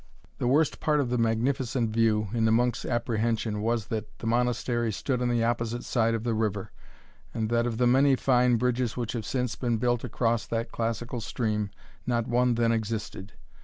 The worst part of the magnificent view, in the monk's apprehension, was, that the Monastery stood on the opposite side of the river, and that of the many fine bridges which have since been built across that classical stream, not one then existed.